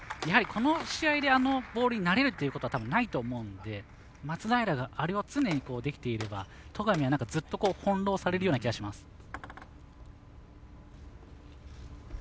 やはり、この試合であのボールに慣れるということはたぶん、ないと思うので松平があれを常にできていれば戸上は、ずっと翻弄されるような気がします。